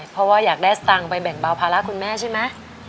เพราะว่าอยากได้สตังค์ไปแบ่งเบาภาระคุณแม่ใช่ไหม